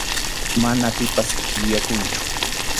Mana pipas yuyakunchu.